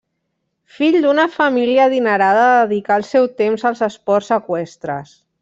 Fill d'una família adinerada dedicà el seu temps als esports eqüestres.